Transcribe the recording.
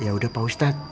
yaudah pak ustadz